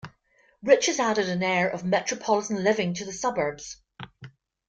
Rich's added an air of metropolitan living to the suburbs.